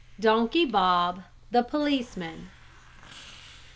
DONKEY BOB, THE POLICEMAN.